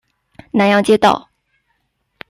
南阳街道